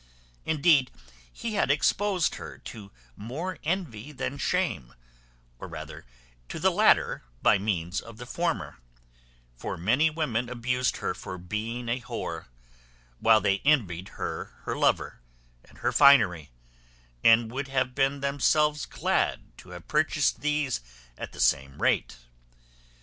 Indeed, he had exposed her to more envy than shame, or rather to the latter by means of the former: for many women abused her for being a whore, while they envied her her lover, and her finery, and would have been themselves glad to have purchased these at the same rate.